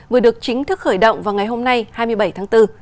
vừa được chính thức khởi động vào ngày hôm nay hai mươi bảy tháng bốn